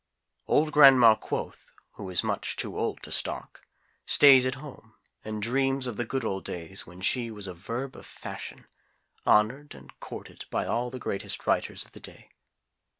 Old Gran'ma QUOTH, who is much too old to stalk, stays at home and dreams of the good old days when she was a verb of fashion, honored and courted by all the greatest writers of the day.